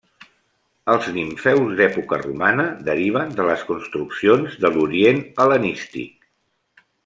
Els nimfeus d'època romana deriven de les construccions de l'orient hel·lenístic.